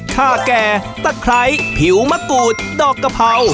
แก่ตะไคร้ผิวมะกรูดดอกกะเพรา